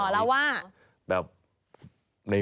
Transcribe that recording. อ๋อแล้วว่า